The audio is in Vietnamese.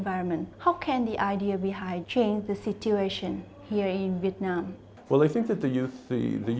và vì thế